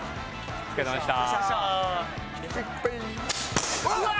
お疲れさまでした。